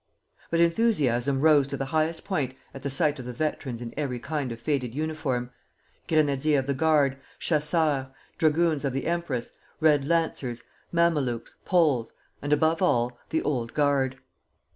But enthusiasm rose to the highest point at the sight of the veterans in every kind of faded uniform, Grenadiers of the Guard, Chasseurs, Dragoons of the Empress, Red Lancers, Mamelukes, Poles, and, above all, the Old Guard.